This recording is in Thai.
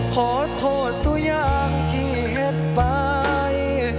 ขอโทษสักอย่างที่เห็นไป